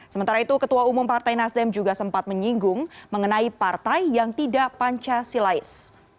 sementara itu ketua umum partai nasdem juga sempat menyinggung mengenai partai yang tidak pancasilais